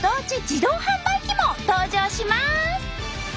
自動販売機も登場します！